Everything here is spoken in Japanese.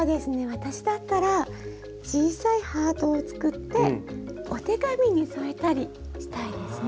私だったら小さいハートを作ってお手紙に添えたりしたいですね。